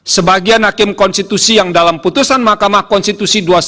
sebagian hakim konstitusi yang dalam putusan makamah konstitusi